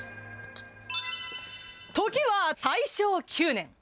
時は大正９年。